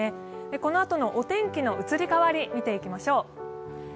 このあとのお天気の移り変わりを見ていきましょう。